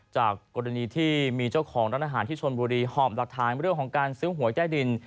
จากกรณีที่มีเจ้าของร้านอาหารที่ชนบุรีหอบหลักฐานเรื่องของการซื้อหวยใต้ดิน